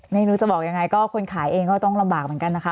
ไม่รู้จะบอกยังไงก็คนขายเองก็ต้องลำบากเหมือนกันนะคะ